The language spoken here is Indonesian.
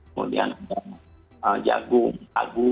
kemudian ada jagung kagu